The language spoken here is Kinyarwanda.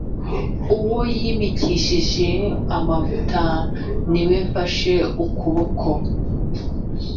uwo yimikishije amavuta ni we mfashe ukuboko